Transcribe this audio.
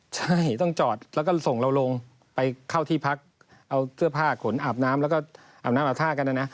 ใช่ต้องจอดแล้วก็ส่งเราลงไปเข้าที่พักเอาเสื้อผ้าขนอาบน้ำแล้วก็อาบน้ำอาบท่ากันนะนะ